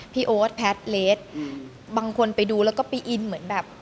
โอ๊ตแพทย์เลสบางคนไปดูแล้วก็ไปอินเหมือนแบบ